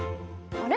あれ？